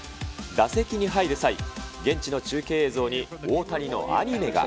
打席に入る際、現地の中継映像に、大谷のアニメが。